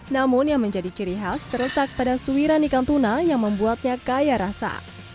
namun yang menjadi ciri khas terletak pada suiran ikan tuna yang membuatnya kaya rasa